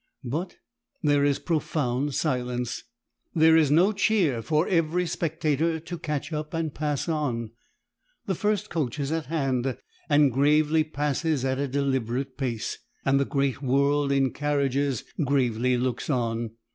But there is profound silence. There is no cheer for every spectator to catch up and pass on. The first coach is at hand, and gravely passes at a deliberate pace, and the great world in carriages gravely looks on.